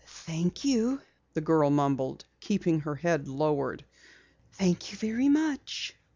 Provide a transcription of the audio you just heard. "Thank you," the girl mumbled, keeping her head lowered. "Thank you very much."